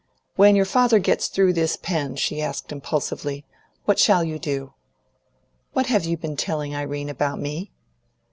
"When your father gets through this, Pen," she asked impulsively, "what shall you do?" "What have you been telling Irene about me?"